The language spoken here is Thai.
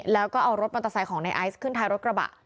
แล้วก็เอารถมันตะใสของนายไอซ์ขึ้นท้ายรถกระบะ